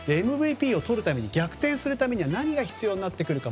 ＭＶＰをとるために逆転するためには何が必要になってくるか。